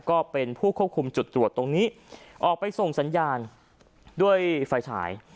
ก็เป็นผู้ควบคุมจุดตรวจตรงนี้ออกไปส่งสัญญาณด้วยไฟฉาย